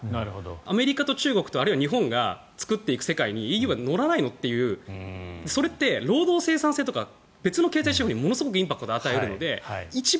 アメリカと中国、日本が作っていく世界にＥＵは乗らないというそれって労働生産性とか別の経済資本にすごいインパクトを与えるので一番